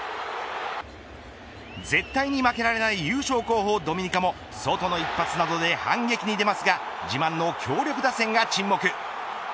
絶対に負けられない優勝候補のドミニカもソトの一発などで反撃に出ますが自慢の強力打線が沈黙。